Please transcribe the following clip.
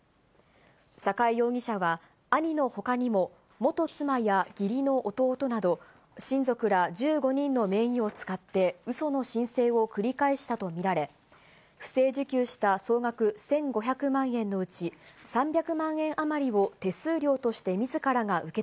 寒河江容疑者は兄のほかにも、元妻や義理の弟など、親族ら１５人の名義を使ってうその申請を繰り返したと見られ、不正受給した総額１５００万円のうち、全国の皆さん、こんばんは。